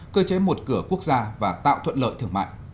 cơ chế một cửa quốc gia và tạo thuận lợi thương mại